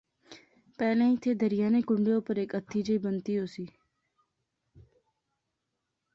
پہلے ایتھیں دریا نے کنڈے اُپر ہیک ہتی جئی بنتی ہوسی